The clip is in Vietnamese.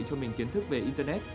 cho mình kiến thức về internet